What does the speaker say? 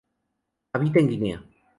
Habita en Guinea.